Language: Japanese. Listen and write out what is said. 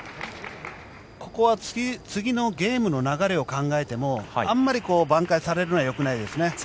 ここは次のゲームの流れを考えてもあまりばん回されるのはよくないですね。